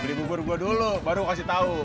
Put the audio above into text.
beli bubur gua dulu baru kasih tau